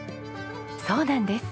そうなんです。